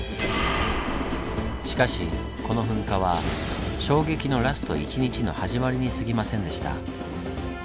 しかしこの噴火は衝撃のラスト１日の始まりにすぎませんでした。